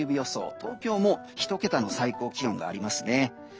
東京も１桁の最高気温がありますね。